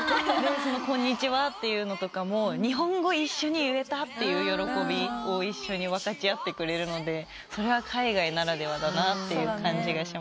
「こんにちは」とかも日本語一緒に言えたって喜びを一緒に分かち合ってくれるので海外ならではだなって感じがします。